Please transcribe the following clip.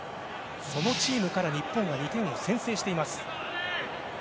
そのチームから日本は２点を先制しています。